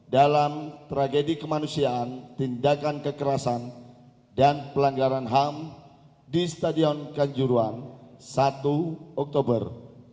dalam tragedi kemanusiaan tindakan kekerasan dan pelanggaran ham di stadion kanjuruhan satu oktober dua ribu dua puluh dua